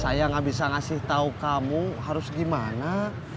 saya gak bisa ngasih tahu kamu harus gimana